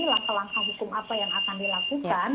langkah langkah hukum apa yang akan dilakukan